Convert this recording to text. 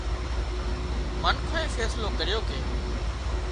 منکانئين فيصلو ڪريو ڪي